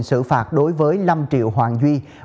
xử phạt đối với năm triệu hoàng duy